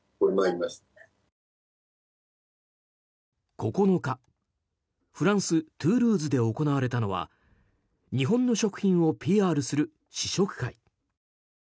９日フランス・トゥールーズで行われたのは日本の食品をＰＲする試食会。